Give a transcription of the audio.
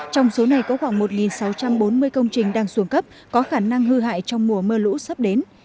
trong số này có khoảng một sáu trăm bốn mươi công trình đang xuống cấp có khả năng hư hại trong mùa mưa lũ sắp đến